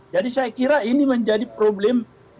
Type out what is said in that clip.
jadi saya kira ini menjadi problem yang tidak ada